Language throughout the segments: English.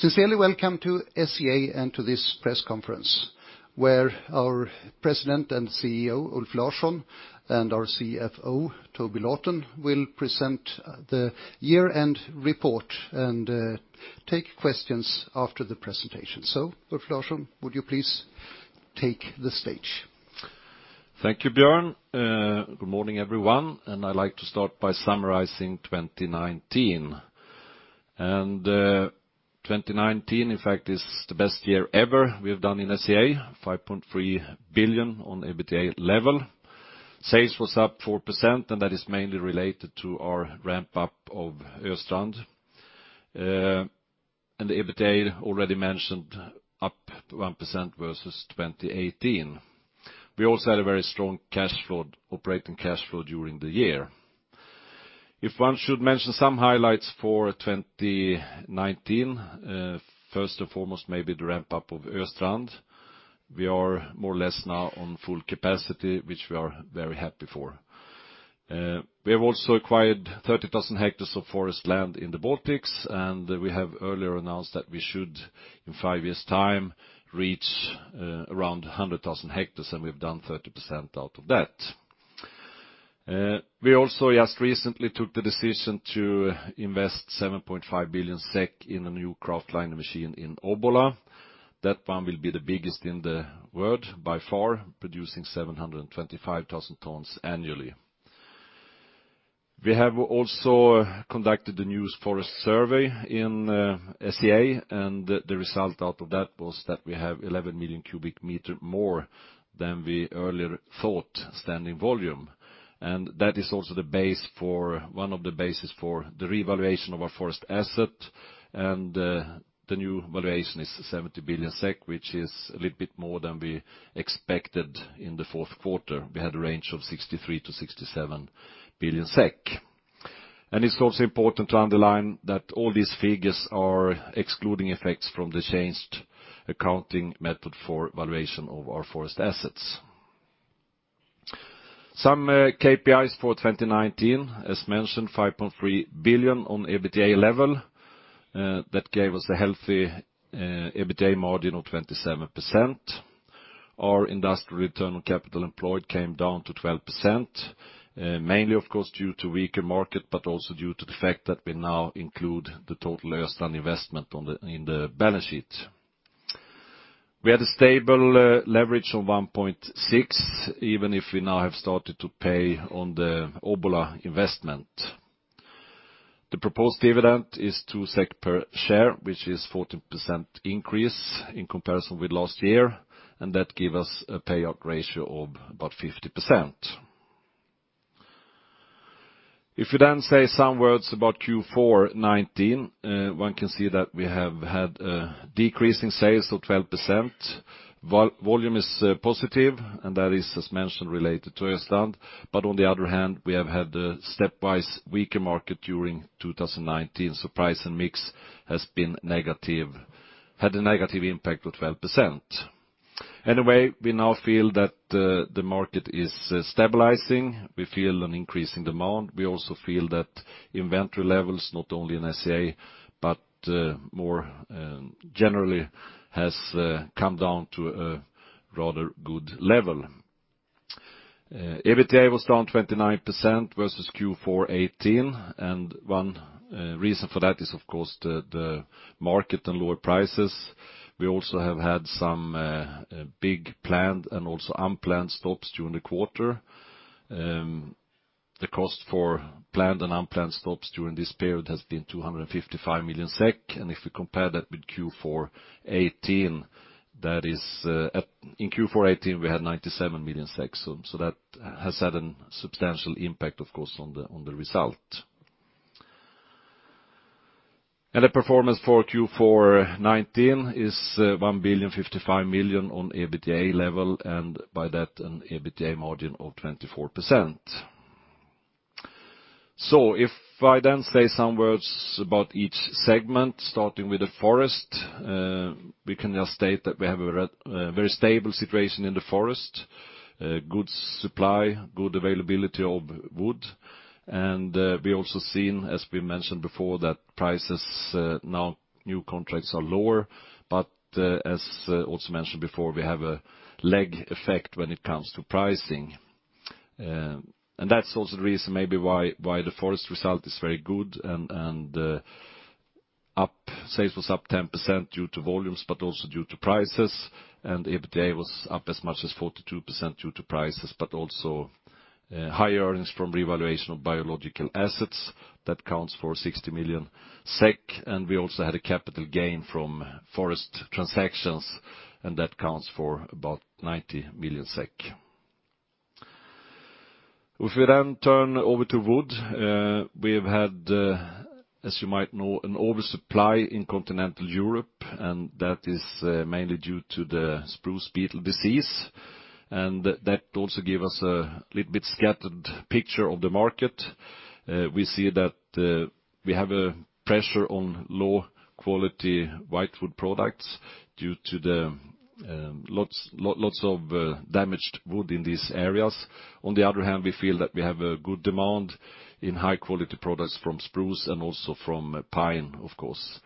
Sincerely welcome to SCA and to this press conference, where our President and CEO, Ulf Larsson, and our CFO, Toby Lawton, will present the year-end report and take questions after the presentation. Ulf Larsson, would you please take the stage? Thank you, Björn. Good morning, everyone. I'd like to start by summarizing 2019. 2019, in fact, is the best year ever we have done in SCA, 5.3 billion on EBITDA level. Sales was up 4%, that is mainly related to our ramp-up of Östrand. The EBITDA, already mentioned, up 1% versus 2018. We also had a very strong operating cash flow during the year. If one should mention some highlights for 2019, first and foremost, maybe the ramp-up of Östrand. We are more or less now on full capacity, which we are very happy for. We have also acquired 30,000 hectares of forest land in the Baltics. We have earlier announced that we should, in five years' time, reach around 100,000 hectares. We've done 30% of that. We also just recently took the decision to invest 7.5 billion SEK in a new kraftliner machine in Obbola. That one will be the biggest in the world by far, producing 725,000 tonnes annually. The result of that was that we have 11 million cubic meter more than we earlier thought standing volume. That is also one of the bases for the revaluation of our forest asset. The new valuation is 70 billion SEK, which is a little bit more than we expected in the fourth quarter. We had a range of 63 billion-67 billion SEK. It's also important to underline that all these figures are excluding effects from the changed accounting method for valuation of our forest assets. Some KPIs for 2019, as mentioned, 5.3 billion on EBITDA level. That gave us a healthy EBITDA margin of 27%. Our industrial return on capital employed came down to 12%, mainly, of course, due to weaker market, also due to the fact that we now include the total Östrand investment in the balance sheet. We had a stable leverage of 1.6x, even if we now have started to pay on the Obbola investment. The proposed dividend is 2 SEK per share, which is 14% increase in comparison with last year. That give us a payout ratio of about 50%. If we say some words about Q4 2019, one can see that we have had decreasing sales of 12%. Volume is positive, that is, as mentioned, related to Östrand. On the other hand, we have had a stepwise weaker market during 2019. Price and mix had a negative impact of 12%. We now feel that the market is stabilizing. We feel an increase in demand. We also feel that inventory levels, not only in SCA, but more generally, has come down to a rather good level. EBITDA was down 29% versus Q4 2018. One reason for that is, of course, the market and lower prices. We also have had some big planned and also unplanned stops during the quarter. The cost for planned and unplanned stops during this period has been 255 million SEK. If we compare that with Q4 2018, in Q4 2018, we had 97 million. That has had a substantial impact, of course, on the result. The performance for Q4 2019 is 1,055,000,000 on EBITDA level. By that, an EBITDA margin of 24%. If I then say some words about each segment, starting with the forest, we can just state that we have a very stable situation in the forest. Good supply, good availability of wood. We also seen, as we mentioned before, that prices now, new contracts are lower. As also mentioned before, we have a lag effect when it comes to pricing. That's also the reason maybe why the forest result is very good and sales was up 10% due to volumes, but also due to prices. EBITDA was up as much as 42% due to prices, but also higher earnings from revaluation of biological assets. That counts for 60 million SEK. We also had a capital gain from forest transactions, and that counts for about 90 million SEK. If we turn over to wood, we've had, as you might know, an oversupply in continental Europe. That is mainly due to the spruce beetle disease, and that also gave us a little bit scattered picture of the market. We see that we have a pressure on low-quality white wood products due to the lots of damaged wood in these areas. On the other hand, we feel that we have a good demand in high-quality products from spruce and also from pine, of course.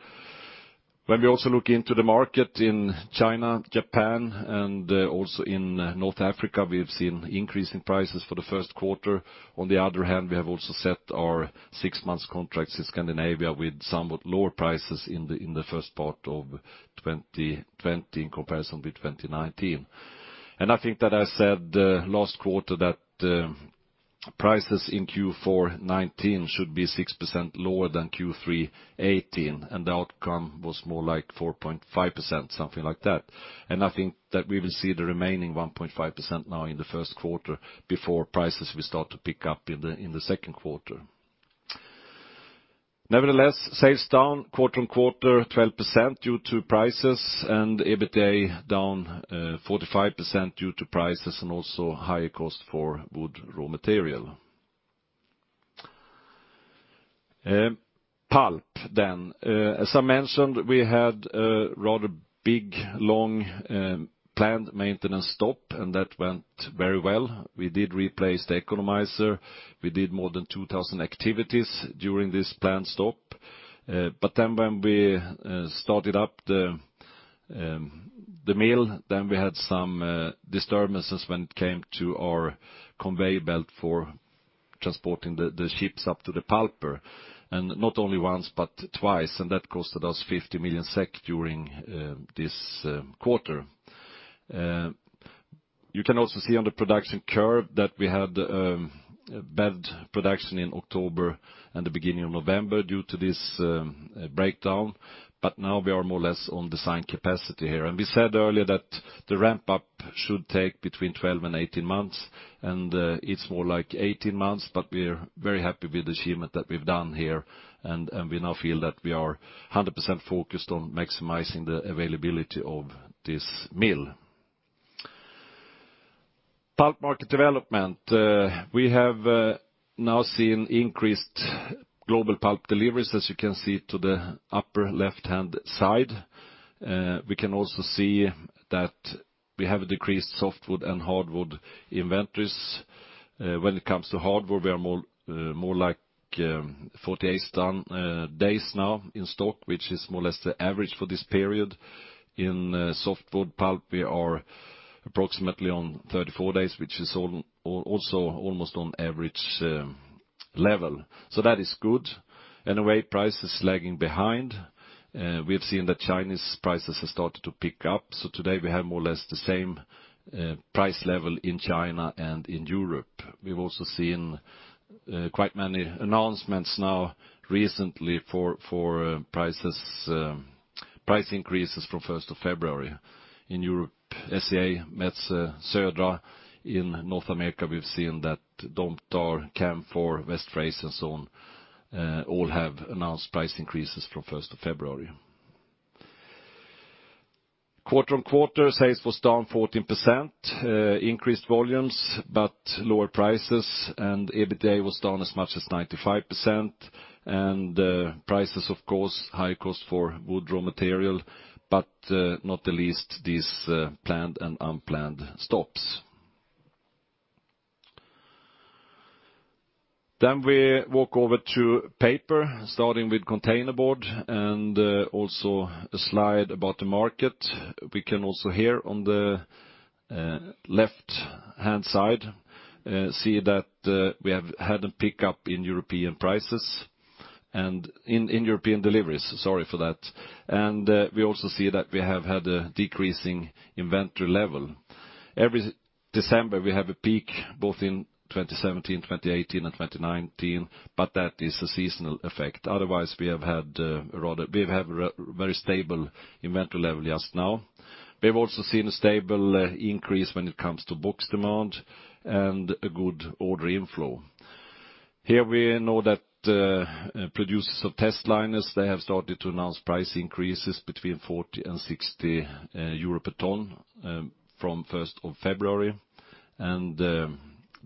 When we also look into the market in China, Japan, and also in North Africa, we have seen increasing prices for the first quarter. On the other hand, we have also set our six months contracts in Scandinavia with somewhat lower prices in the first part of 2020 in comparison with 2019. I think that I said last quarter that prices in Q4 2019 should be 6% lower than Q3 2018, and the outcome was more like 4.5%, something like that. I think that we will see the remaining 1.5% now in the first quarter before prices will start to pick up in the second quarter. Nevertheless, sales down quarter-on-quarter 12% due to prices, and EBITDA down 45% due to prices and also higher cost for wood raw material. Pulp. As I mentioned, we had a rather big, long planned maintenance stop, and that went very well. We did replace the economizer. We did more than 2,000 activities during this planned stop. When we started up the mill, then we had some disturbances when it came to our conveyor belt for transporting the chips up to the pulper. Not only once, but twice, and that costed us 50 million SEK during this quarter. You can also see on the production curve that we had a bad production in October and the beginning of November due to this breakdown, but now we are more or less on design capacity here. We said earlier that the ramp-up should take between 12 and 18 months. It's more like 18 months, but we're very happy with the achievement that we've done here, and we now feel that we are 100% focused on maximizing the availability of this mill. Pulp market development. We have now seen increased global pulp deliveries, as you can see to the upper left-hand side. We can also see that we have decreased softwood and hardwood inventories. When it comes to hardwood, we are more like 48 days now in stock, which is more or less the average for this period. In softwood pulp, we are approximately on 34 days, which is also almost on average level. That is good. In a way, price is lagging behind. We have seen that Chinese prices have started to pick up. Today we have more or less the same price level in China and in Europe. We've also seen quite many announcements now recently for price increases from 1st of February. In Europe, SCA, Metsä, Södra. In North America, we've seen that Domtar, Canfor, West Fraser, and so on all have announced price increases from 1st of February. Quarter-on-quarter, sales was down 14%, increased volumes, but lower prices, and EBITDA was down as much as 95%. Prices, of course, high cost for wood raw material, but not the least, these planned and unplanned stops. We walk over to paper, starting with containerboard and also a slide about the market. We can also, here on the left-hand side, see that we have had a pickup in European prices, and in European deliveries, sorry for that. We also see that we have had a decreasing inventory level. Every December, we have a peak, both in 2017, 2018, and 2019, but that is a seasonal effect. Otherwise, we have had a very stable inventory level just now. We've also seen a stable increase when it comes to books demand and a good order inflow. Here we know that producers of testliners, they have started to announce price increases between 40 and 60 euro per ton from 1st of February, and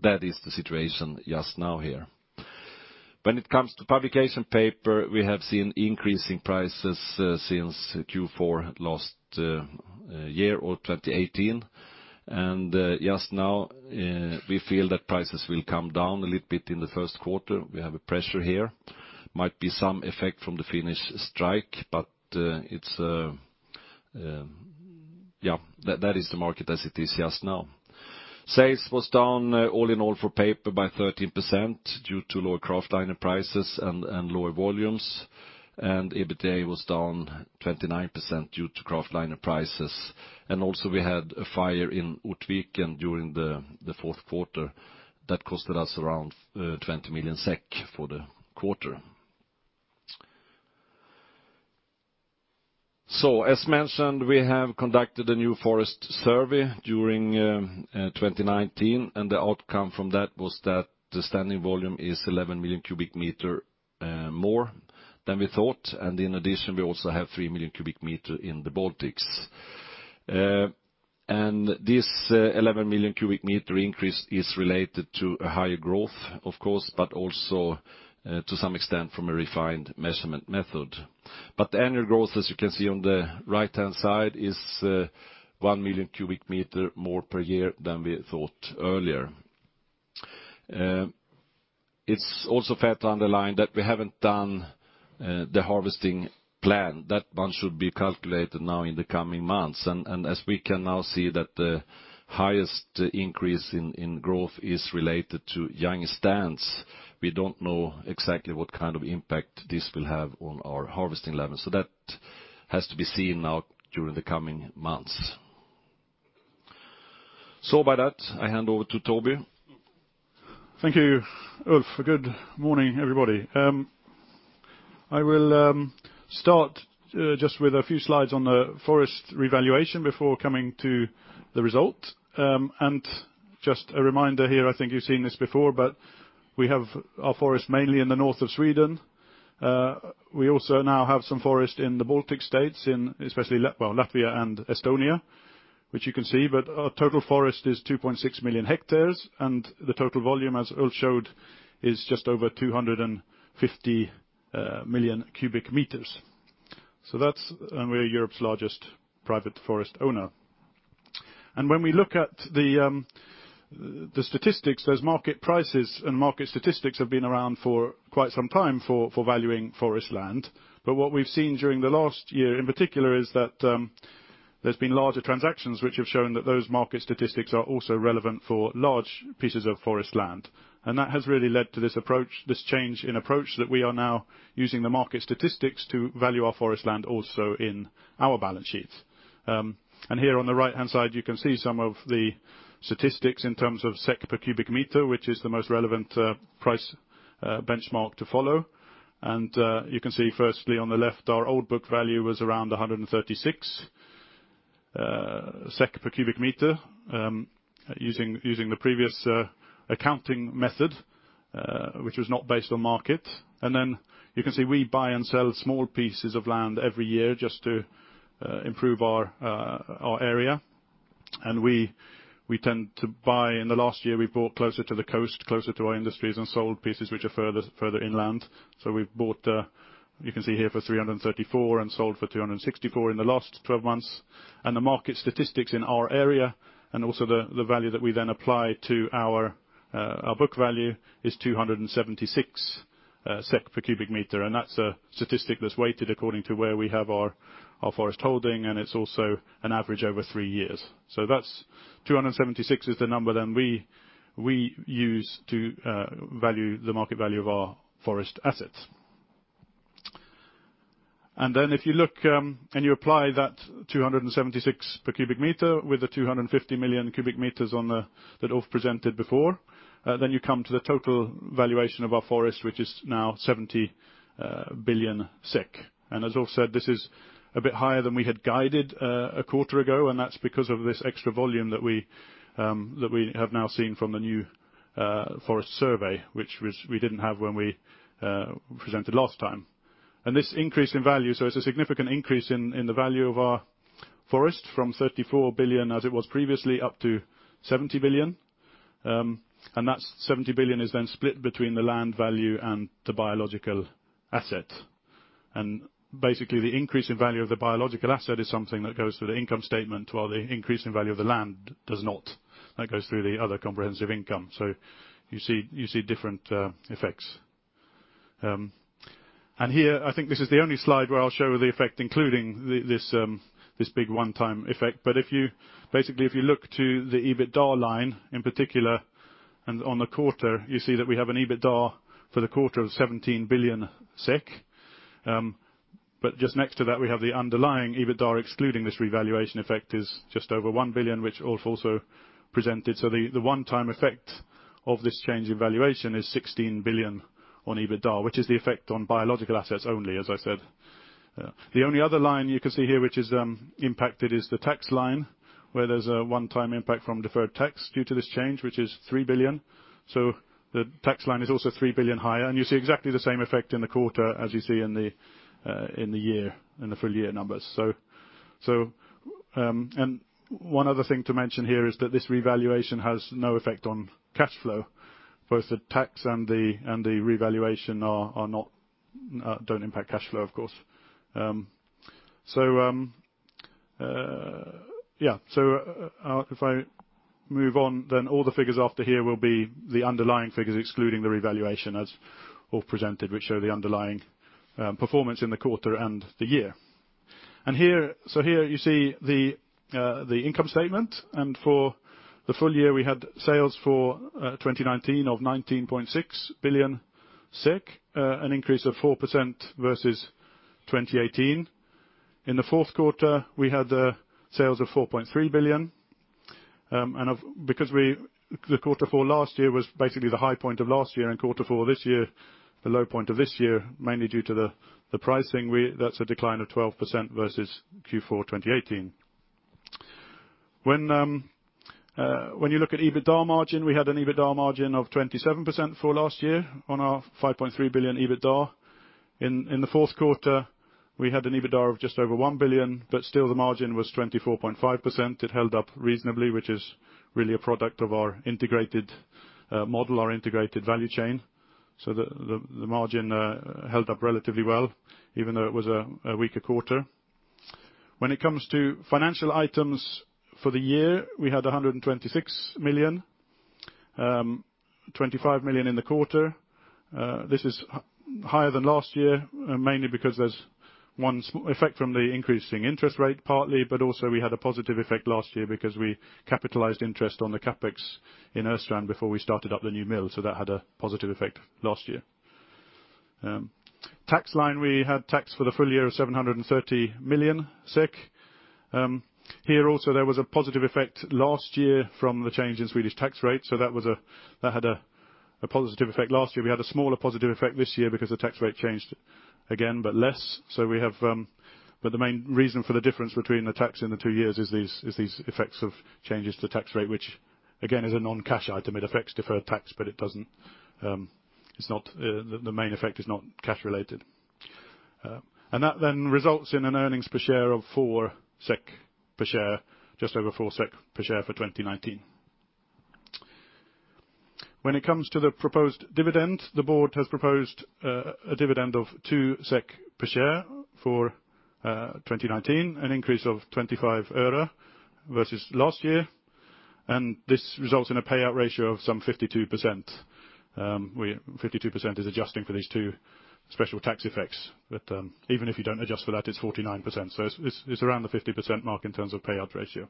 that is the situation just now here. When it comes to publication paper, we have seen increasing prices since Q4 last year or 2018. Just now, we feel that prices will come down a little bit in the first quarter. We have a pressure here. Might be some effect from the Finnish strike, but that is the market as it is just now. Sales was down all in all for paper by 13% due to lower kraftliner prices and lower volumes, and EBITDA was down 29% due to kraftliner prices. Also, we had a fire in Ortviken during the fourth quarter that costed us around 20 million SEK for the quarter. As mentioned, we have conducted a new forest survey during 2019. The outcome from that was that the standing volume is 11 million cubic meter more than we thought. In addition, we also have 3 million cubic meter in the Baltics. This 11 million cubic meter increase is related to a higher growth, of course, but also to some extent from a refined measurement method. Annual growth, as you can see on the right-hand side, is 1 million cubic meter more per year than we thought earlier. It's also fair to underline that we haven't done the harvesting plan. That one should be calculated now in the coming months. As we can now see that the highest increase in growth is related to young stands, we don't know exactly what kind of impact this will have on our harvesting levels. That has to be seen now during the coming months. With that, I hand over to Toby. Thank you, Ulf. Good morning, everybody. I will start just with a few slides on the forest revaluation before coming to the result. Just a reminder here, I think you've seen this before, we have our forest mainly in the north of Sweden. We also now have some forest in the Baltic States, in especially Latvia and Estonia, which you can see. Our total forest is 2.6 million hectares. The total volume, as Ulf showed, is just over 250 million cubic meters. That's why we're Europe's largest private forest owner. When we look at the statistics, those market prices and market statistics have been around for quite some time for valuing forest land. What we've seen during the last year, in particular, is that there has been larger transactions which have shown that those market statistics are also relevant for large pieces of forest land. That has really led to this change in approach that we are now using the market statistics to value our forest land also in our balance sheets. Here on the right-hand side, you can see some of the statistics in terms of SEK per cubic meter, which is the most relevant price benchmark to follow. You can see firstly on the left. Our old book value was around 136 SEK per cubic meter, using the previous accounting method, which was not based on market. You can see we buy and sell small pieces of land every year just to improve our area. We tend to buy, in the last year, we bought closer to the coast. Closer to our industries, and sold pieces which are further inland. We've bought, you can see here, for 334 and sold for 264 in the last 12 months. The market statistics in our area, and also the value that we then apply to our book value is 276 SEK per cubic meter. That's a statistic that's weighted according to where we have our forest holding, and it's also an average over three years. That 276 is the number then we use to value the market value of our forest assets. If you look and you apply that 276 per cubic meter with the 250 million cubic meters that Ulf presented before, then you come to the total valuation of our forest, which is now 70 billion SEK. As Ulf said, this is a bit higher than we had guided a quarter ago. That's because of this extra volume that we have now seen from the new forest survey, which we didn't have when we presented last time. This increase in value, so it's a significant increase in the value of our forest from 34 billion as it was previously up to 70 billion. That 70 billion is then split between the land value and the biological asset. Basically, the increase in value of the biological asset is something that goes through the income statement while the increase in value of the land does not. That goes through the other comprehensive income. You see different effects. Here, I think this is the only slide where I'll show the effect, including this big one-time effect. Basically, if you look to the EBITDA line in particular on the quarter, you see that we have an EBITDA for the quarter of 17 billion SEK. Just next to that, we have the underlying EBITDA, excluding this revaluation effect, is just over 1 billion, which Ulf also presented. The one-time effect of this change in valuation is 16 billion on EBITDA, which is the effect on biological assets only, as I said. The only other line you can see here which is impacted is the tax line, where there's a one-time impact from deferred tax due to this change, which is 3 billion. The tax line is also 3 billion higher. You see exactly the same effect in the quarter as you see in the full-year numbers. One other thing to mention here is that this revaluation has no effect on cash flow. Both the tax and the revaluation don't impact cash flow, of course. If I move on, then all the figures after here will be the underlying figures, excluding the revaluation as Ulf presented, which show the underlying performance in the quarter and the year. Here you see the income statement. For the full year, we had sales for 2019 of 19.6 billion, an increase of 4% versus 2018. In the fourth quarter, we had sales of 4.3 billion. Because the quarter four last year was basically the high point of last year and quarter four this year, the low point of this year, mainly due to the pricing. That's a decline of 12% versus Q4 2018. When you look at EBITDA margin, we had an EBITDA margin of 27% for last year on our 5.3 billion EBITDA. In the fourth quarter, we had an EBITDA of just over 1 billion, still the margin was 24.5%. It held up reasonably, which is really a product of our integrated model, our integrated value chain. The margin held up relatively well even though it was a weaker quarter. When it comes to financial items for the year, we had 126 million. 25 million in the quarter. This is higher than last year, mainly because there's one effect from the increasing interest rate partly, but also we had a positive effect last year because we capitalized interest on the CapEx in Östrand before we started up the new mill. That had a positive effect last year. Tax line, we had tax for the full year of 730 million SEK. Here also there was a positive effect last year from the change in Swedish tax rate, so that had a positive effect last year. We had a smaller positive effect this year because the tax rate changed again, but less. The main reason for the difference between the tax in the two years is these effects of changes to the tax rate, which again is a non-cash item. It affects deferred tax, but the main effect is not cash related. That then results in an earnings per share of 4 SEK per share, just over 4 SEK per share for 2019. When it comes to the proposed dividend, the Board has proposed a dividend of 2 SEK per share for 2019, an increase of SEK 0.25 versus last year. This results in a payout ratio of some 52%. 52% is adjusting for these two special tax effects. Even if you don't adjust for that, it's 49%. It's around the 50% mark in terms of payout ratio.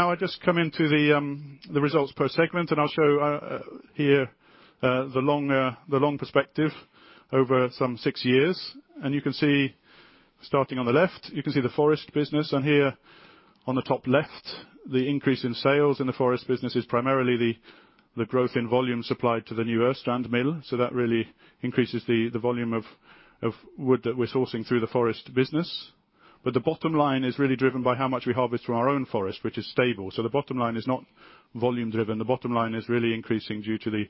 I just come into the results per segment, I'll show here the long perspective over some six years. You can see, starting on the left, you can see the forest business. Here on the top left, the increase in sales in the forest business is primarily the growth in volume supplied to the new Östrand mill. That really increases the volume of wood that we're sourcing through the forest business. The bottom line is really driven by how much we harvest from our own forest, which is stable. The bottom line is not volume driven. The bottom line is really increasing due to the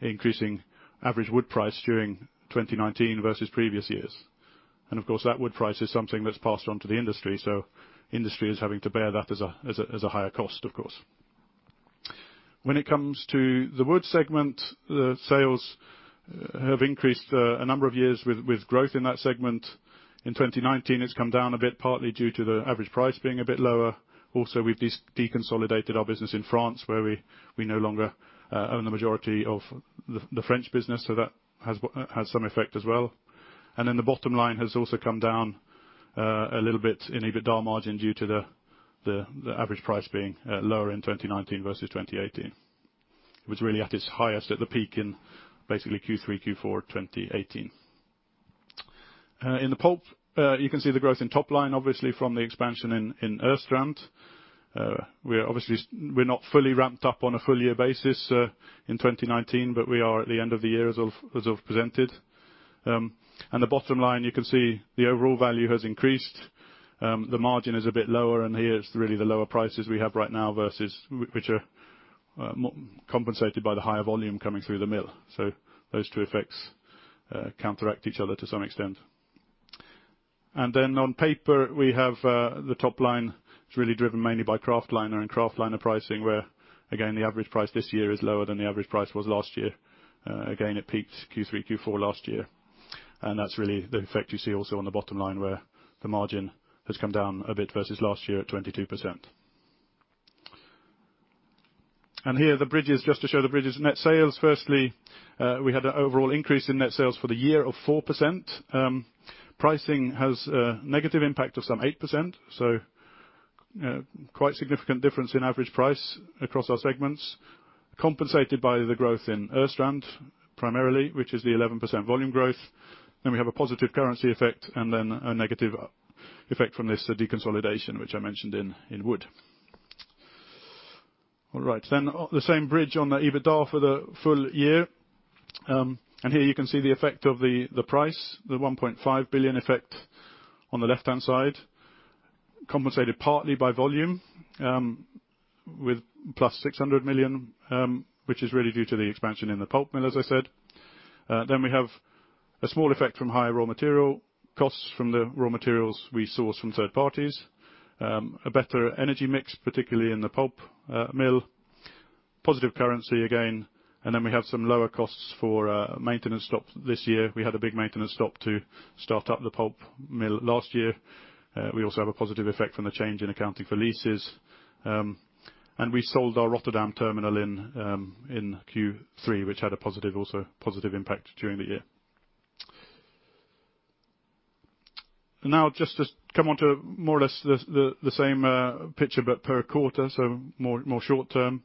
increasing average wood price during 2019 versus previous years. Of course, that wood price is something that's passed on to the industry, so industry is having to bear that as a higher cost, of course. When it comes to the wood segment, the sales have increased a number of years with growth in that segment. In 2019, it's come down a bit, partly due to the average price being a bit lower. We've deconsolidated our business in France, where we no longer own the majority of the French business, so that has had some effect as well. The bottom line has also come down a little bit in EBITDA margin due to the average price being lower in 2019 versus 2018. It was really at its highest at the peak in basically Q3, Q4 2018. In the Pulp, you can see the growth in top line, obviously from the expansion in Östrand. We're not fully ramped up on a full year basis in 2019, but we are at the end of the year as of presented. The bottom line, you can see the overall value has increased. The margin is a bit lower. Here, it's really the lower prices we have right now versus which are compensated by the higher volume coming through the mill. Those two effects counteract each other to some extent. On paper, we have the top line. It's really driven mainly by kraftliner and kraftliner pricing, where again, the average price this year is lower than the average price was last year. Again, it peaked Q3, Q4 last year. That's really the effect you see also on the bottom line, where the margin has come down a bit versus last year at 22%. Here the bridge is just to show the bridges net sales. Firstly, we had an overall increase in net sales for the year of 4%. Pricing has a negative impact of some 8%, so quite significant difference in average price across our segments, compensated by the growth in Östrand primarily, which is the 11% volume growth. We have a positive currency effect and then a negative effect from this deconsolidation, which I mentioned in wood. The same bridge on the EBITDA for the full year. Here you can see the effect of the price, the 1.5 billion effect on the left-hand side, compensated partly by volume with plus 600 million, which is really due to the expansion in the pulp mill, as I said. We have a small effect from higher raw material costs from the raw materials we source from third parties. A better energy mix, particularly in the pulp mill. Positive currency again. We have some lower costs for maintenance stops this year. We had a big maintenance stop to start up the pulp mill last year. We also have a positive effect from the change in accounting for leases. We sold our Rotterdam terminal in Q3, which had a positive impact during the year. Just to come on to more or less the same picture. But per quarter, so more short term.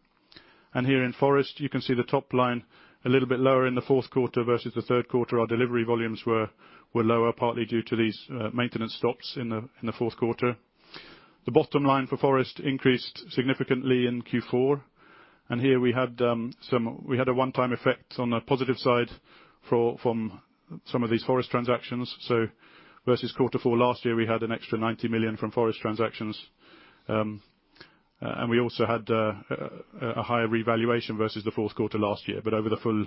Here in forest, you can see the top line a little bit lower in the fourth quarter versus the third quarter. Our delivery volumes were lower, partly due to these maintenance stops in the fourth quarter. The bottom line for forest increased significantly in Q4. Here we had a one-time effect on the positive side from some of these forest transactions. Versus quarter four last year, we had an extra 90 million from forest transactions. We also had a higher revaluation versus the fourth quarter last year. Over the full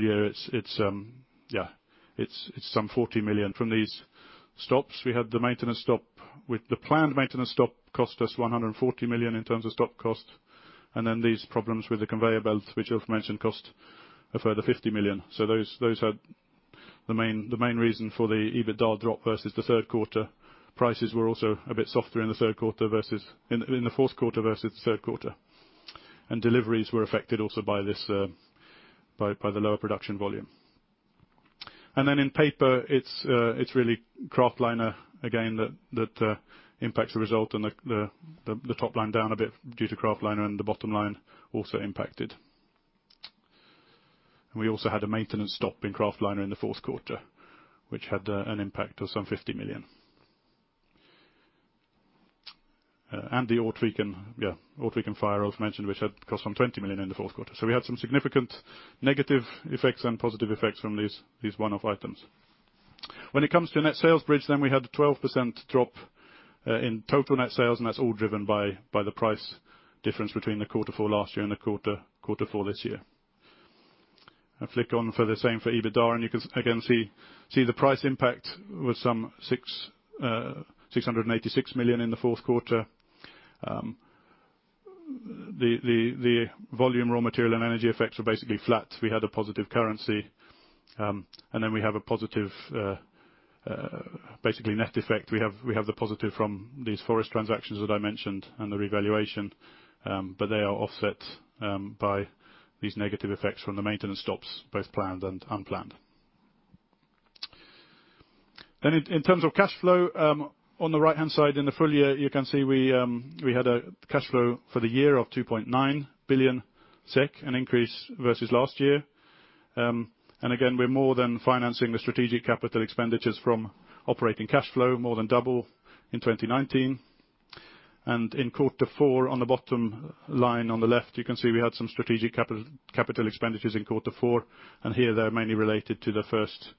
year, it's some 40 million, from these stops. We had the maintenance stop... With the planned maintenance stop cost us 140 million in terms of stop cost. These problems with the conveyor belt, which I've mentioned, cost a further 50 million. Those are the main reason for the EBITDA drop versus the third quarter. Prices were also a bit softer in the fourth quarter versus the third quarter. Deliveries were affected also by the lower production volume. In paper, it's really kraftliner again that impacts the result and the top line down a bit due to kraftliner and the bottom line also impacted. We also had a maintenance stop in kraftliner in the fourth quarter, which had an impact of some 50 million. The Ortviken fire I've mentioned, which had cost some 20 million in the fourth quarter. We had some significant negative effects and positive effects from these one-off items. When it comes to a net sales bridge, we had a 12% drop in total net sales, and that's all driven by the price difference between the quarter four last year and the quarter four this year. I flick on for the same for EBITDA, and you can again see the price impact was some 686 million in the fourth quarter. The volume raw material and energy effects were basically flat. We had a positive currency. We have a positive, basically net effect. We have the positive from these forest transactions that I mentioned and the revaluation, but they are offset by these negative effects from the maintenance stops, both planned and unplanned. In terms of cash flow, on the right-hand side in the full year, you can see we had a cash flow for the year of 2.9 billion SEK, an increase versus last year. Again, we're more than financing the strategic capital expenditures from operating cash flow, more than double in 2019. In quarter four, on the bottom line on the left, you can see we had some strategic capital expenditures in quarter four. Here, they're mainly related to the first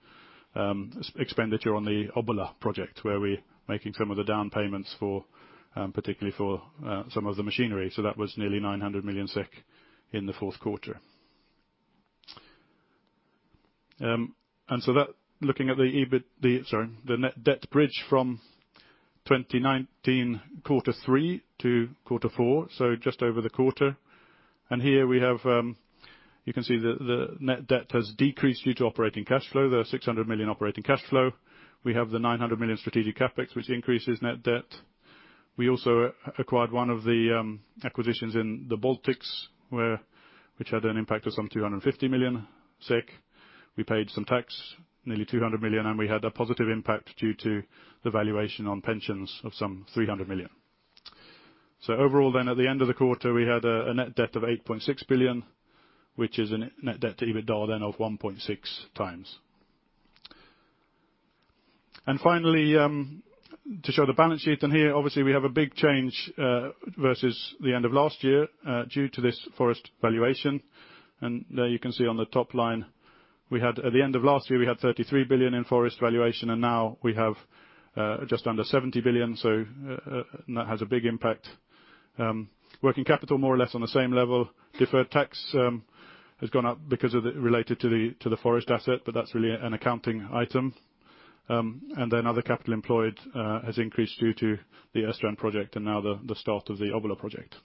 expenditure on the Obbola project, where we're making some of the down payments, particularly for some of the machinery. That was nearly 900 million SEK in the fourth quarter. Looking at the net debt bridge from 2019 quarter three to quarter four, so just over the quarter. Here you can see the net debt has decreased due to operating cash flow. There are 600 million operating cash flow. We have the 900 million strategic CapEx, which increases net debt. We also acquired one of the acquisitions in the Baltics, which had an impact of some 250 million. We paid some tax, nearly 200 million. We had a positive impact due to the valuation on pensions of some 300 million. Overall then, at the end of the quarter, we had a net debt of 8.6 billion, which is a net debt to EBITDA then of 1.6x. Finally, to show the balance sheet in here, obviously, we have a big change versus the end of last year due to this forest valuation. There you can see on the top line, at the end of last year, we had 33 billion in forest valuation. Now, we have just under 70 billion, and that has a big impact. Working capital, more or less on the same level. Deferred tax has gone up because related to the forest asset. That's really an accounting item. Then other capital employed has increased due to the Östrand project and now the start of the Obbola project.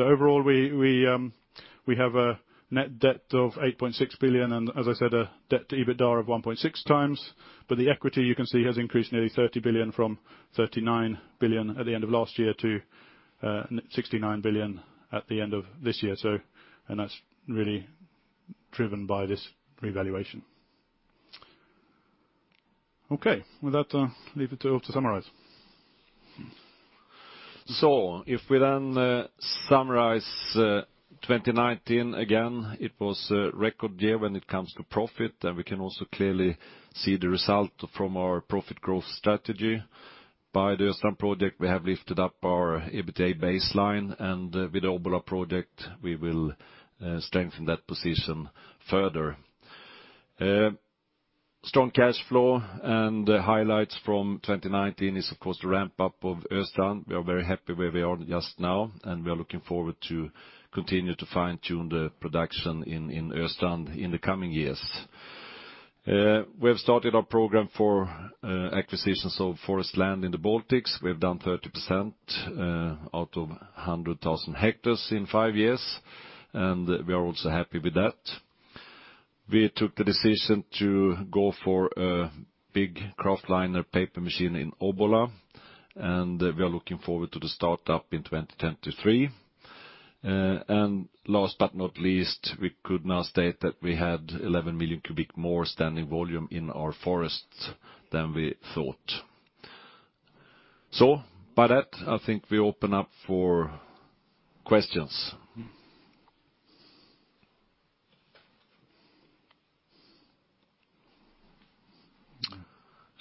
Overall, we have a net debt of 8.6 billion and, as I said, a debt to EBITDA of 1.6x. The equity you can see has increased nearly 30 billion from 39 billion at the end of last year to 69 billion at the end of this year. That's really driven by this revaluation. Okay. With that, I'll leave it to Ulf to summarize. If we then summarize 2019, again, it was a record year when it comes to profit. We can also clearly see the result from our profit growth strategy. By the Östrand project, we have lifted up our EBITDA baseline. With the Obbola project, we will strengthen that position further. Strong cash flow and the highlights from 2019 is, of course, the ramp-up of Östrand. We are very happy where we are just now, and we are looking forward to continue to fine-tune the production in Östrand in the coming years. We have started our program for acquisitions of forest land in the Baltics. We have done 30% out of 100,000 hectares in five years, and we are also happy with that. We took the decision to go for a big kraftliner paper machine in Obbola, and we are looking forward to the start-up in 2023. Last but not least, we could now state that we had 11 million cubic more standing volume in our forests than we thought. By that, I think we open up for questions.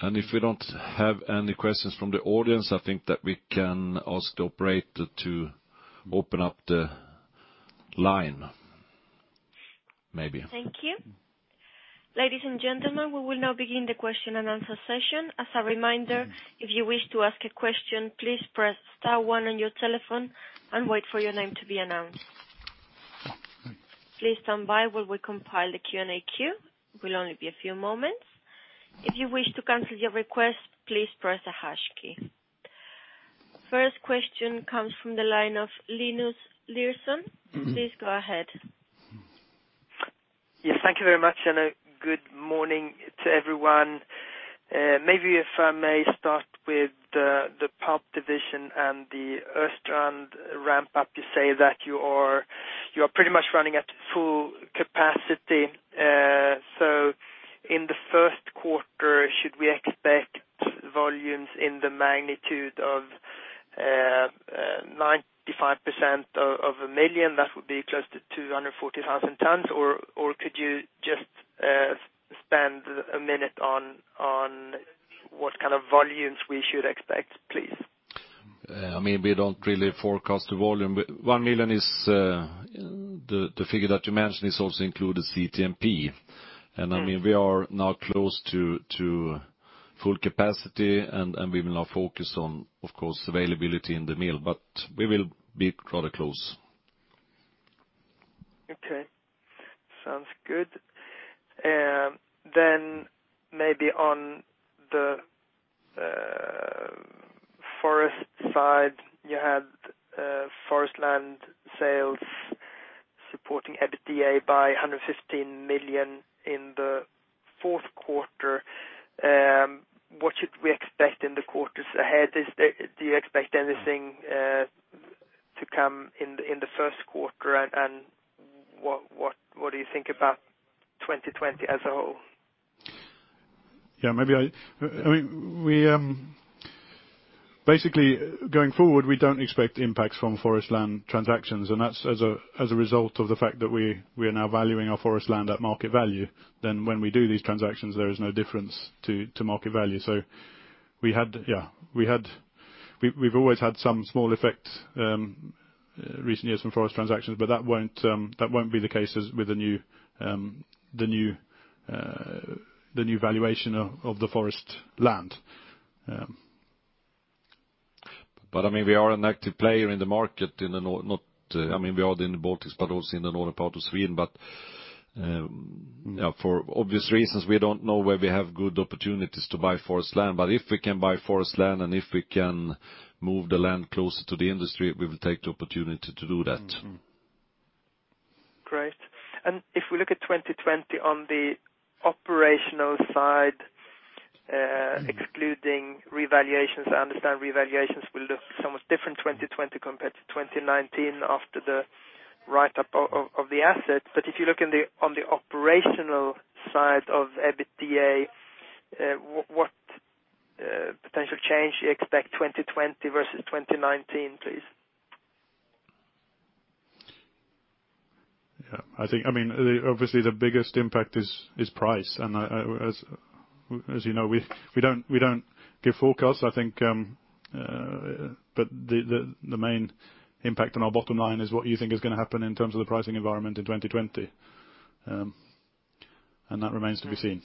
If we don't have any questions from the audience, I think that we can ask the operator to open up the line. Thank you. Ladies and gentlemen, we will now begin the question-and-answer session. As a reminder, if you wish to ask a question, please press star one on your telephone and wait for your name to be announced. Please stand by while we compile the Q&A queue. It will only be a few moments. If you wish to cancel your request, please press the hash key. First question comes from the line of Linus Larsson. Please go ahead. Yes. Thank you very much. Good morning to everyone. Maybe if I may start with the Pulp division and the Östrand ramp up. You say that you are pretty much running at full capacity. In the first quarter, should we expect volumes in the magnitude of 95% of 1 million? That would be close to 240,000 tonnes. Could you just spend a minute on what kind of volumes we should expect, please? We don't really forecast the volume. 1 million is the figure that you mentioned. It also includes CTMP. We are now close to full capacity. We will now focus on, of course, availability in the mill. We will be rather close. Okay. Sounds good. Maybe on the forest side, you had forest land sales supporting EBITDA by SEK 115 million in the fourth quarter. What should we expect in the quarters ahead? Do you expect anything to come in the first quarter, and what do you think about 2020 as a whole? Basically, going forward, we don't expect impacts from forest land transactions, and that's as a result of the fact that we are now valuing our forest land at market value. When we do these transactions, there is no difference to market value. We've always had some small effect recent years from forest transactions, but that won't be the case with the new valuation of the forest land. We are an active player in the market. We are in the Baltics, but also in the northern part of Sweden. For obvious reasons, we don't know where we have good opportunities to buy forest land. If we can buy forest land, and if we can move the land closer to the industry, we will take the opportunity to do that. Great. If we look at 2020 on the operational side, excluding revaluations. I understand revaluations will look somewhat different in 2020 compared to 2019 after the write-up of the assets. If you look on the operational side of EBITDA, what potential change do you expect 2020 versus 2019, please? Yeah. Obviously, the biggest impact is price. As you know, we don't give forecasts. The main impact on our bottom line is what you think is going to happen in terms of the pricing environment in 2020. That remains to be seen.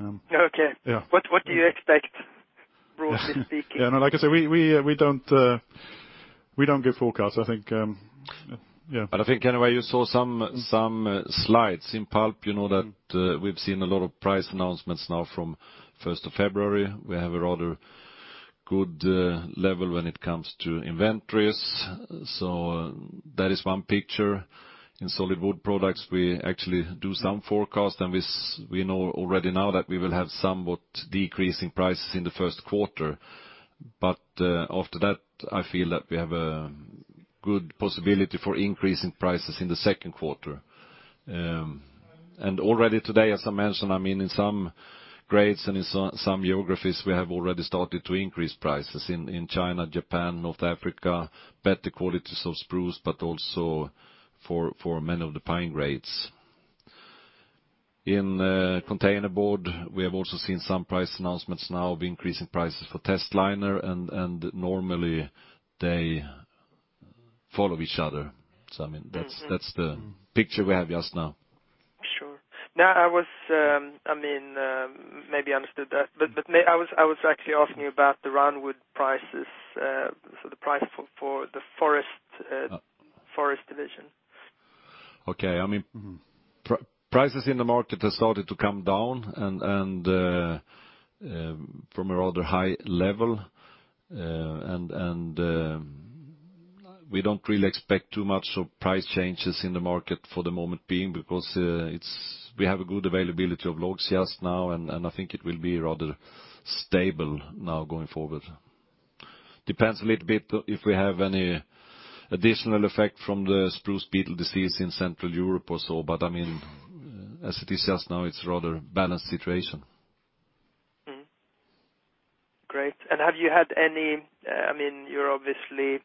Okay. Yeah. What do you expect, broadly speaking? Yeah. No, like I said, we don't give forecasts. Yeah. I think, anyway, you saw some slides in Pulp, that we've seen a lot of price announcements now from the 1st of February. We have a rather good level when it comes to inventories. That is one picture. In solid wood products, we actually do some forecast. We know already now that we will have somewhat decreasing prices in the first quarter. After that, I feel that we have a good possibility for increase in prices in the second quarter. Already today, as I mentioned, in some grades and in some geographies, we have already started to increase prices in China, Japan, North Africa, better qualities of spruce, but also for many of the pine grades. In containerboard, we have also seen some price announcements now of increasing prices for testliner, and normally they follow each other. That's the picture we have just now. Sure. Maybe, I understood that. I was actually asking about the round wood prices, so the price for the forest division? Okay. Prices in the market have started to come down, and from a rather high level. We don't really expect too much of price changes in the market for the moment being, because we have a good availability of logs just now. I think it will be rather stable now going forward. Depends a little bit if we have any additional effect from the spruce beetle disease in Central Europe also. As it is now, it's a rather balanced situation. Great. You're obviously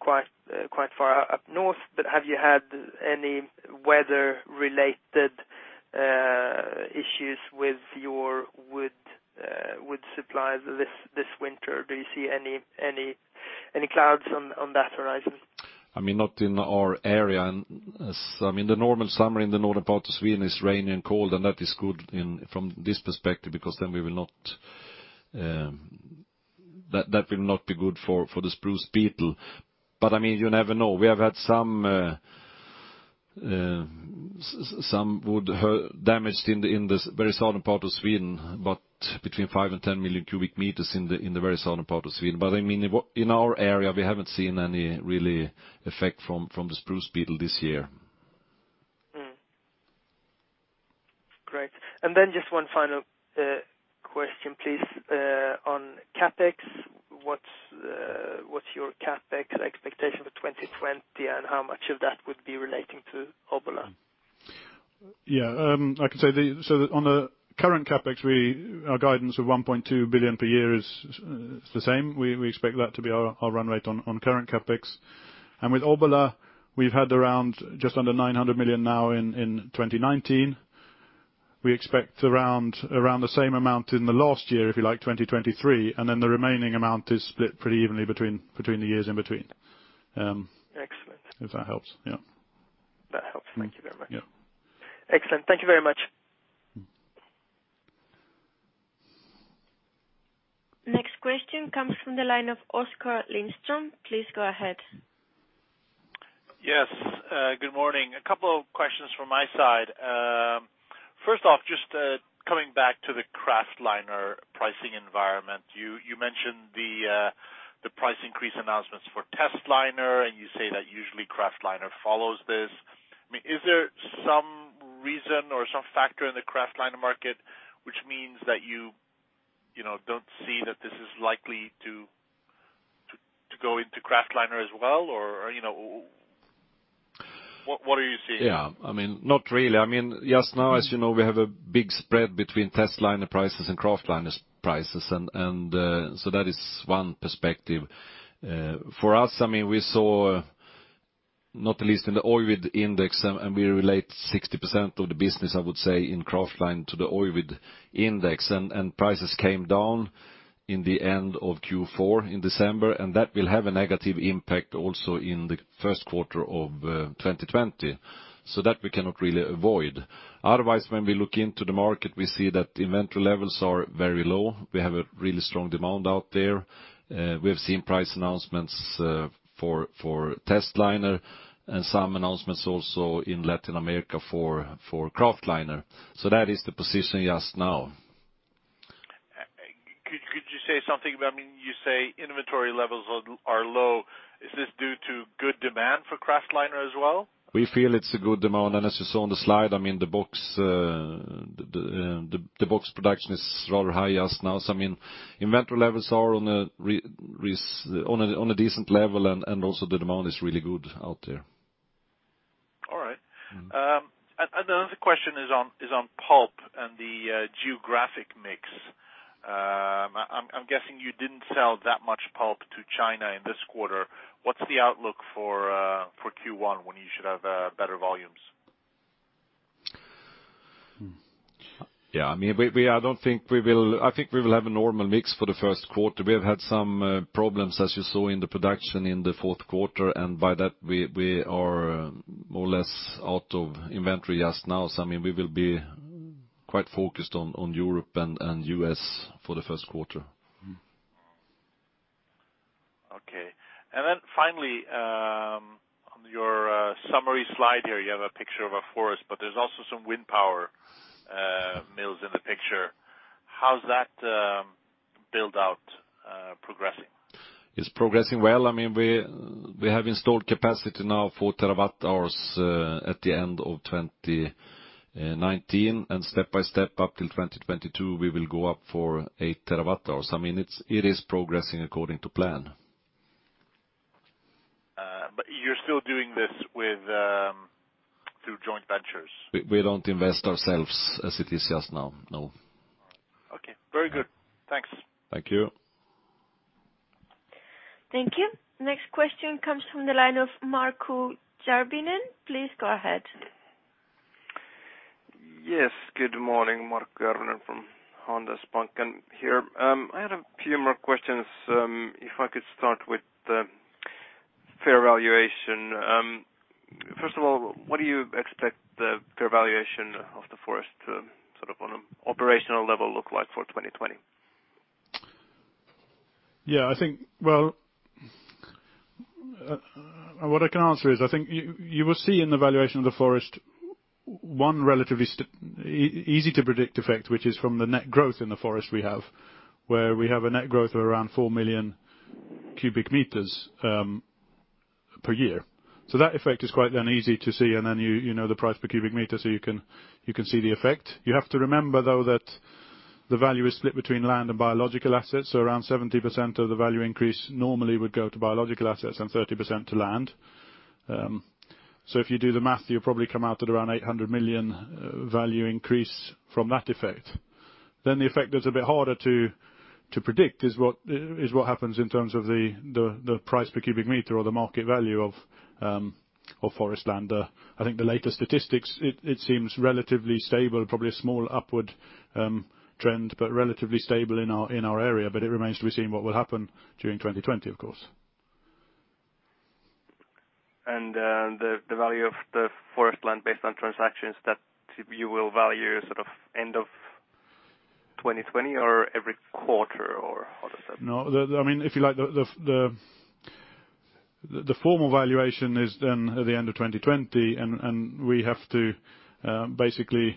quite far up north, but have you had any weather-related with your wood supplies this winter? Do you see any clouds on that horizon? Not in our area. The normal summer in the northern part of Sweden is rainy and cold. That is good from this perspective, because that will not be good for the spruce beetle. You never know. We have had some wood damaged in this very southern part of Sweden, about between 5 million cubic meters and 10 million cubic meters in the very southern part of Sweden. In our area, we haven't seen any really effect from the spruce beetle this year. Great. Just one final question, please, on CapEx. What's your CapEx expectation for 2020, and how much of that would be relating to Obbola? Yeah. I can say that on the current CapEx, our guidance of 1.2 billion per year is the same. We expect that to be our run rate on current CapEx. With Obbola, we've had around just under 900 million now in 2019. We expect around the same amount in the last year, if you like, 2023. Then, the remaining amount is split pretty evenly between the years in between. Excellent. If that helps. Yeah. That helps. Thank you very much. Yeah. Excellent. Thank you very much. Next question comes from the line of Oskar Lindström. Please go ahead. Yes. Good morning. A couple of questions from my side. First off, just coming back to the kraftliner pricing environment. You mentioned the price increase announcements for testliner. You say that usually kraftliner follows this. Is there some reason or some factor in the kraftliner market, which means that you don't see that this is likely to go into kraftliner as well? Or what are you seeing? Yeah. Not really. Just now, as you know, we have a big spread between testliner prices and kraftliner prices. That is one perspective. For us, we saw, not at least in the EUWID index. We relate 60% of the business, I would say, in kraftliner to the EUWID index. Prices came down in the end of Q4, in December, and that will have a negative impact also in the first quarter of 2020. That we cannot really avoid. Otherwise, when we look into the market, we see that inventory levels are very low. We have a really strong demand out there. We have seen price announcements for testliner and some announcements also in Latin America for kraftliner. That is the position just now. You say inventory levels are low. Is this due to good demand for kraftliner as well? We feel it's a good demand. As you saw on the slide, the box production is rather high just now. Inventory levels are on a decent level, and also the demand is really good out there. All right. Another question is on pulp and the geographic mix. I'm guessing you didn't sell that much pulp to China in this quarter. What's the outlook for Q1 when you should have better volumes? Yeah. I think we will have a normal mix for the first quarter. We have had some problems, as you saw in the production in the fourth quarter. By that, we are more or less out of inventory just now. We will be quite focused on Europe and U.S. for the first quarter. Okay. Finally, on your summary slide here. You have a picture of a forest, but there is also some wind power mills in the picture. How is that build-out progressing? It's progressing well. We have installed capacity now, 4 TWh at the end of 2019. Step by step up till 2022, we will go up for 8 TWh. It is progressing according to plan. You're still doing this through joint ventures? We don't invest ourselves as it is just now. No. Okay. Very good. Thanks. Thank you. Thank you. Next question comes from the line of Markku Järvinen. Please go ahead. Yes, good morning. Markku Järvinen from Handelsbanken here. I had a few more questions. If I could start with the fair valuation. First of all, what do you expect the fair valuation of the forest, sort of on an operational level look like for 2020? Yeah. What I can answer is, I think you will see in the valuation of the forest one relatively easy-to-predict effect, which is from the net growth in the forest we have, where we have a net growth of around 4 million cubic meters per year. That effect is quite then easy to see. Then, you know the price per cubic meter, so you can see the effect. You have to remember, though, that the value is split between land and biological assets, around 70% of the value increase normally would go to biological assets and 30% to land. If you do the math, you'll probably come out at around 800 million value increase from that effect. The effect that's a bit harder to predict is what happens in terms of the price per cubic meter or the market value of forest land. I think the latest statistics, it seems relatively stable, probably a small upward trend, but relatively stable in our area. It remains to be seen what will happen during 2020, of course. The value of the forest land based on transactions that you will value end of 2020 or every quarter, or how does that work? No. The formal valuation is at the end of 2020. We have to basically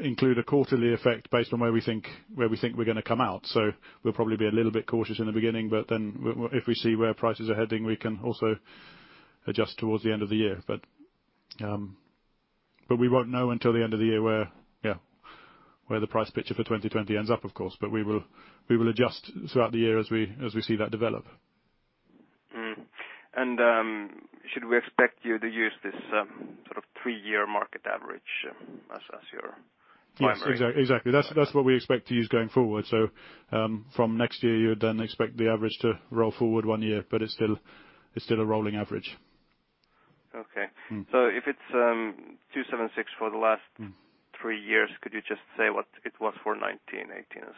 include a quarterly effect based on where we think we're going to come out. We'll probably be a little bit cautious in the beginning, if we see where prices are heading, we can also adjust towards the end of the year. We won't know until the end of the year where the price picture for 2020 ends up, of course. We will adjust throughout the year as we see that develop. Should we expect you to use this three-year market average as your primary? Yes. Exactly. That's what we expect to use going forward. From next year, you would then expect the average to roll forward one year, but it's still a rolling average. Okay. If it's 276 for the last three years, could you just say what it was for 2019, 2018, and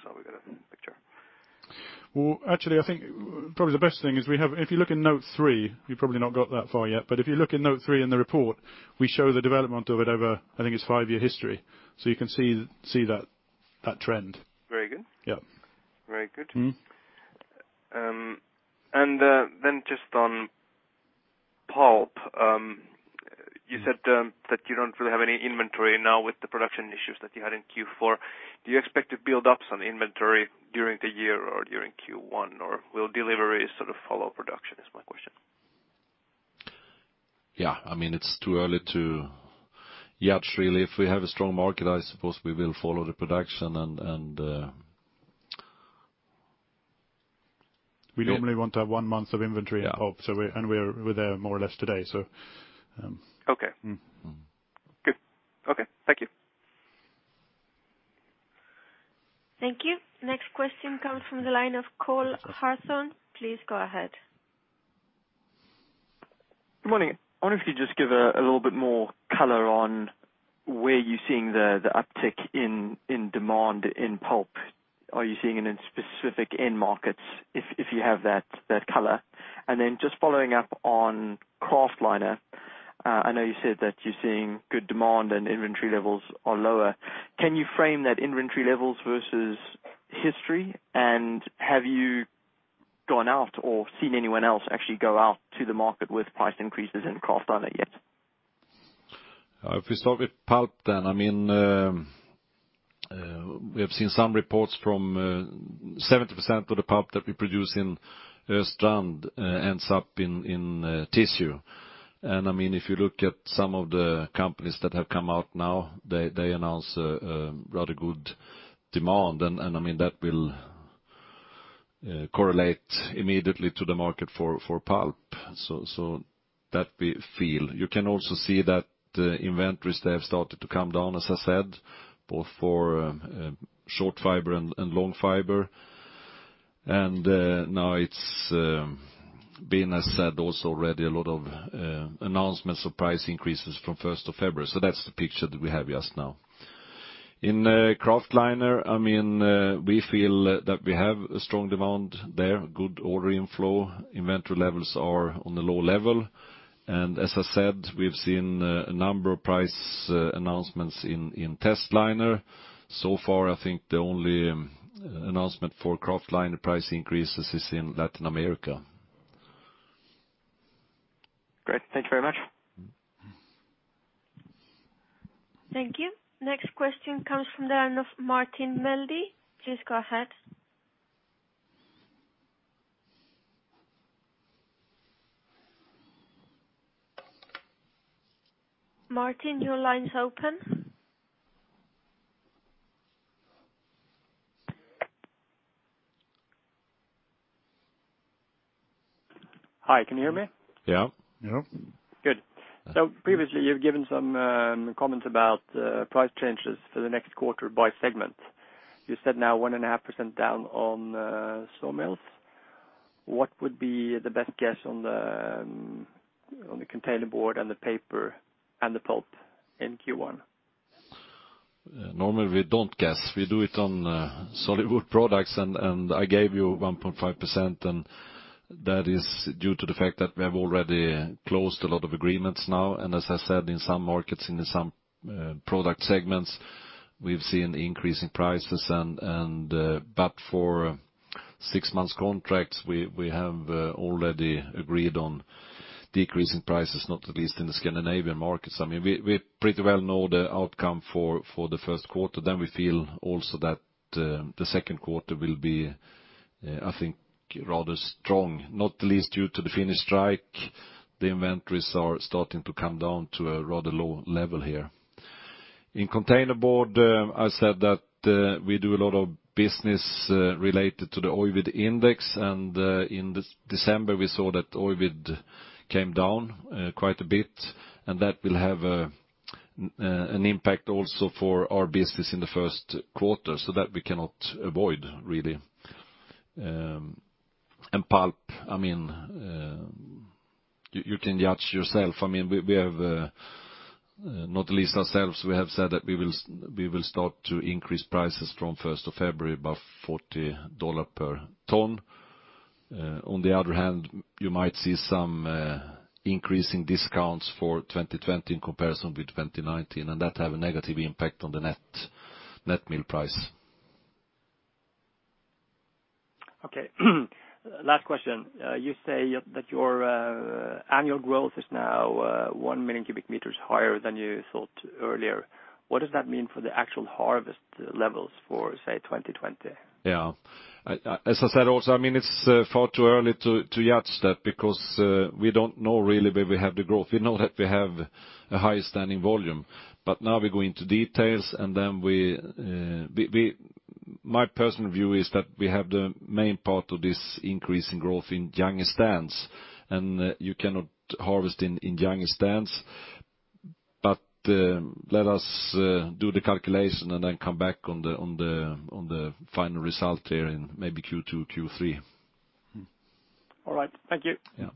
2017, so we get a picture? Well. Actually, I think probably the best thing is, if you look in note three, you've probably not got that far yet. If you look in note three in the report, we show the development of it over, I think it's five-year history. You can see that trend. Very good. Yeah. Very good. Just on Pulp, you said that you don't really have any inventory now with the production issues that you had in Q4. Do you expect to build up some inventory during the year or during Q1, or will delivery follow production, is my question. Yeah. It's too early to judge, really. If we have a strong market, I suppose we will follow the production, and- We normally want to have one month of inventory of pulp.... yeah. We're there more or less today. Okay. Good. Okay. Thank you. Thank you. Next question comes from the line of Cole Hathorn. Please go ahead. Good morning. I wonder if you'd just give a little bit more color on where you're seeing the uptick in demand in pulp. Are you seeing it in specific end markets, if you have that color? Just following up on kraftliner, I know you said that you're seeing good demand and inventory levels are lower. Can you frame that inventory levels versus history? Have you gone out or seen anyone else actually go out to the market with price increases in kraftliner yet? If we start with pulp, we have seen some reports from 70% of the pulp that we produce in Östrand ends up in tissue. If you look at some of the companies that have come out now, they announce rather good demand. That will correlate immediately to the market for pulp. That we feel. You can also see that the inventories, they have started to come down, as I said, both for short fiber and long fiber. Now it's been, as said, also already a lot of announcements of price increases from 1st of February. That's the picture that we have just now. In kraftliner, we feel that we have a strong demand there. Good order inflow. Inventory levels are on a low level. As I said, we've seen a number of price announcements in testliner. So far, I think the only announcement for kraftliner price increases is in Latin America. Great. Thank you very much. Thank you. Next question comes from the line of Martin Melbye. Please go ahead. Martin, your line's open. Hi, can you hear me? Yeah. Yeah. Good. Previously, you've given some comments about price changes for the next quarter by segment. You said now 1.5% down on sawmills. What would be the best guess on the containerboard and the paper and the pulp in Q1? Normally we don't guess. We do it on solid wood products, and I gave you 1.5%, and that is due to the fact that we have already closed a lot of agreements now. As I said, in some markets and in some product segments, we've seen increasing prices. For six months contracts, we have already agreed on decreasing prices, not least in the Scandinavian markets. We pretty well know the outcome for the first quarter. We feel also that the second quarter will be, I think, rather strong, not least due to the Finnish strike. The inventories are starting to come down to a rather low level here. In containerboard, I said that we do a lot of business related to the EUWID index. In December, we saw that EUWID came down quite a bit. That will have an impact also for our business in the first quarter. That we cannot avoid, really. Pulp, you can judge yourself. We have not leased ourselves. We have said that we will start to increase prices from 1st of February, about $40 per ton. On the other hand, you might see some increasing discounts for 2020 in comparison with 2019. That have a negative impact on the net mill price. Okay. Last question. You say that your annual growth is now 1 million cubic meters higher than you thought earlier. What does that mean for the actual harvest levels for, say, 2020? Yeah. As I said also, it's far too early to judge that because we don't know really where we have the growth. We know that we have a high standing volume, but now we go into details. My personal view is that we have the main part of this increase in growth in younger stands, and you cannot harvest in younger stands. Let us do the calculation and then come back on the final result there in maybe Q2, Q3. All right. Thank you. Yeah.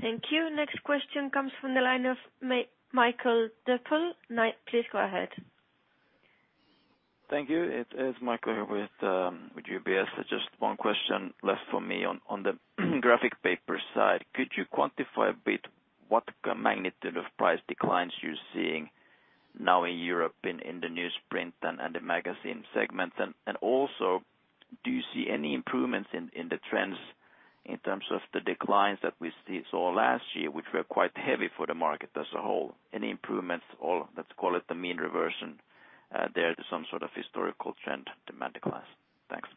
Thank you. Next question comes from the line of Mikael Doepel. Please go ahead. Thank you. It is Mikael with UBS. Just one question left for me. On the graphic paper side, could you quantify a bit what magnitude of price declines you're seeing now in Europe in the newsprint and the magazine segment? Also, do you see any improvements in the trends in terms of the declines that we saw last year, which were quite heavy for the market as a whole? Any improvements or, let's call it the mean reversion, there to some sort of historical trend demand declines? Thanks.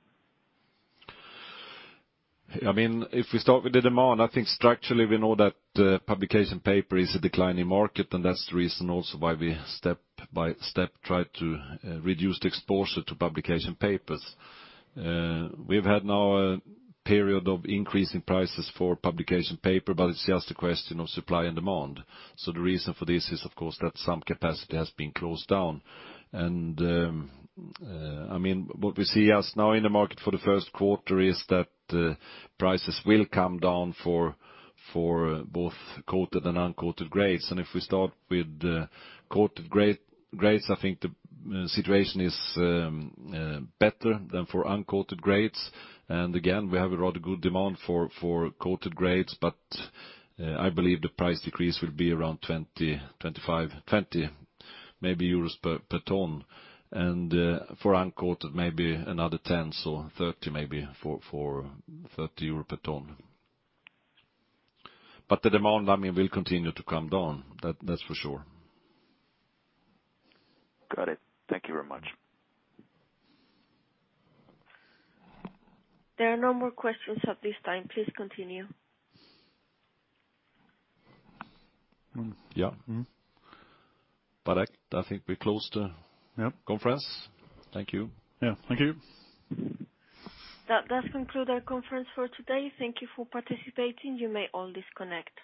If we start with the demand, I think structurally, we know that publication paper is a declining market. That's the reason also why we step by step tried to reduce the exposure to publication papers. We've had now a period of increasing prices for publication paper, but it's just a question of supply and demand. The reason for this is, of course, that some capacity has been closed down. What we see as now in the market for the first quarter is that prices will come down for both coated and uncoated grades. If we start with the coated grades, I think the situation is better than for uncoated grades. Again, we have a rather good demand for coated grades, but I believe the price decrease will be around 20, 25, 20 euros maybe, per tonne. For uncoated, maybe another 10, so 30 maybe, 30 euros per tonne. The demand will continue to come down, that's for sure. Got it. Thank you very much. There are no more questions at this time. Please continue. Yeah. [Perfect], I think we close the- Yep.... conference. Thank you. Yeah, thank you. That does conclude our conference for today. Thank you for participating. You may all disconnect.